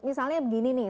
misalnya begini nih